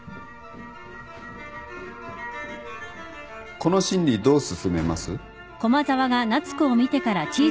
この審理どう進めます？